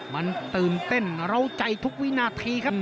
มันตื่นเต้นเหล้าใจทุกวินาทีครับ